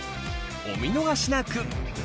お見逃しなく！